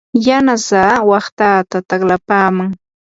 yanasaa waqtataa taqlapaman.